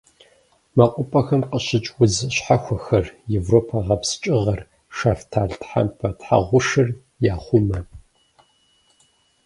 МэкъупӀэхэм къыщыкӀ удз щхьэхуэхэр: европэ гъэпскӀыгъэр, шэфталтхъэмпэ тхьэгъушыр яхъумэ.